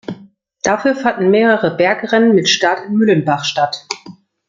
Dafür fanden mehrere Bergrennen mit Start in Müllenbach statt.